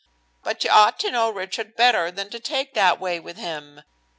"But you ought to know Richard better than to take that way with him.